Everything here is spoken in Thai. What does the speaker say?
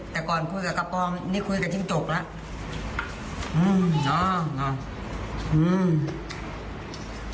แต่ก่อนคุยกับกระป๋องนี่คุยกับจิ้งจกแล้วอืมเนาะ